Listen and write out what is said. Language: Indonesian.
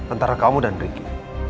antara kamu dan riki